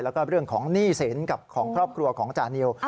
แล้วก็เรื่องของหนี้สินกับของครอบครัวของจานิว